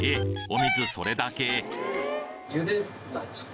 お水それだけ？